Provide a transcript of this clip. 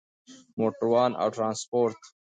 موټروان او ترانسپورت